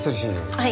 はい。